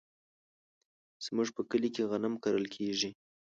زمونږ په کلي کې غنم کرل کیږي.